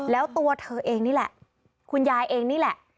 แล้วตัวเธอเองนี่แหละคุณยายเองนี่แหละ